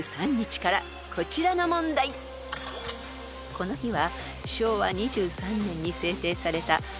［この日は］